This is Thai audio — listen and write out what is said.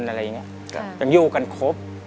อย่างนี้อยู่กันครบ